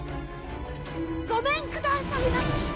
「ごめんくださいまし」